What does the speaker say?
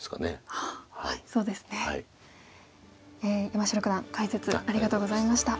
山城九段解説ありがとうございました。